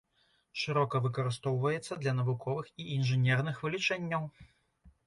Шырока выкарыстоўваецца для навуковых і інжынерных вылічэнняў.